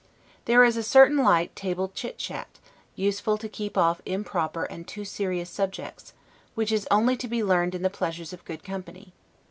There is a certain light table chit chat, useful to keep off improper and too serious subjects, which is only to be learned in the pleasures of good company.